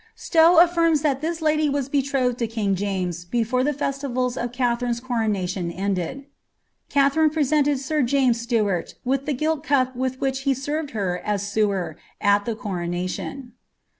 Stow affirms that this lady was betrothed to king James before the festivals of Katherine's coronation ended. Katherine presented sir James Stuart with the gilt cup with which he served her as sewer at the coronation.'